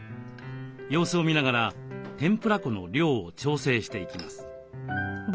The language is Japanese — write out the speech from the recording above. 様子を見ながら天ぷら粉の量を調整していきます。